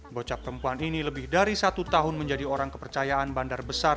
bocah perempuan ini lebih dari satu tahun menjadi orang kepercayaan bandar besar